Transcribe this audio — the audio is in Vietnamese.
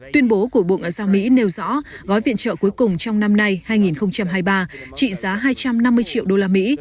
tuyên bố của bộ ngoại giao mỹ nêu rõ gói viện trợ cuối cùng trong năm nay hai nghìn hai mươi ba trị giá hai trăm năm mươi triệu đô la mỹ